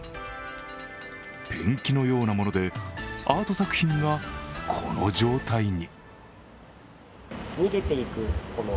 ペンキのようなものでアート作品がこの状態に。